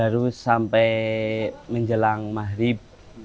tadarus sampai menjelang mahrib